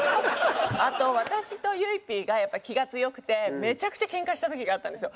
あと私とゆいＰがやっぱり気が強くてめちゃくちゃケンカした時があったんですよ。